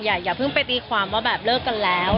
อย่าเพิ่งไปตีความว่าแบบเลิกกันแล้ว